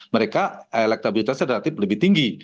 mereka elektabilitasnya relatif lebih tinggi